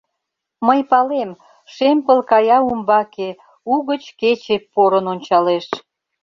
Мый палем, шем пыл кая умбаке, Угыч кече порын ончалеш…